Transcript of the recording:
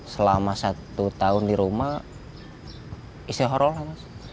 selama satu tahun di rumah isi horor lah